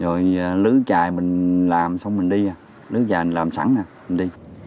rồi lứ chài mình làm xong mình đi lứ chài mình làm sẵn rồi mình đi